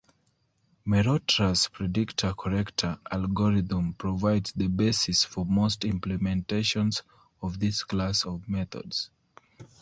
Mehrotra's predictor-corrector algorithm provides the basis for most implementations of this class of methods.